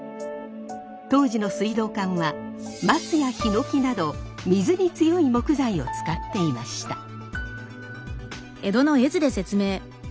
当時の水道管は松やひのきなど水に強い木材を使っていました。